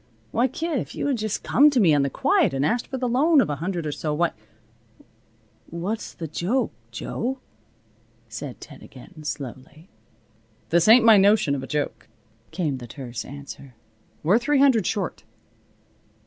Why, kid, if you had just come to me on the quiet and asked for the loan of a hundred or so why " "What's the joke, Jo?" said Ted again, slowly. "This ain't my notion of a joke," came the terse answer. "We're three hundred short."